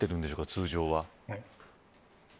通常は。